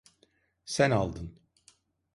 Sen aldın.